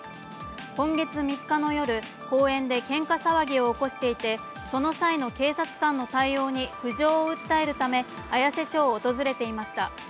今月３日の夜、公園でけんか騒ぎを起こしていてその際の警察官の対応に苦情を訴えるため綾瀬署を訪れていました。